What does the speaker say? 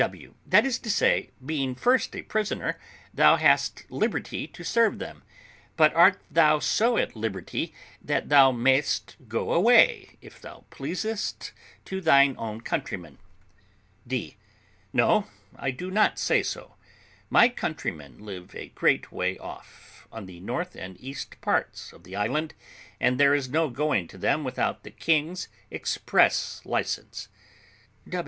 W. That is to say, being first a prisoner, thou hast liberty to serve them; but art thou so at liberty that thou mayest go away, if thou pleasest, to thine own countrymen? D. No, I do not say so; my countrymen live a great way off, on the north and east parts of the island, and there is no going to them without the king's express license.